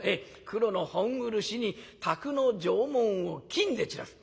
黒の本漆に宅の定紋を金で散らす。